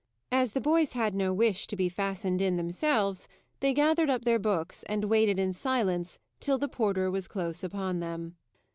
As the boys had no wish to be fastened in, themselves, they gathered up their books, and waited in silence till the porter was close upon them.